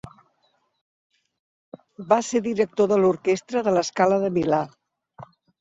Va ser director de l'orquestra de La Scala de Milà.